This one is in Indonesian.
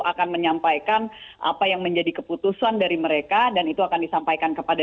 akan menyampaikan apa yang menjadi keputusan dari mereka dan itu akan disampaikan kepada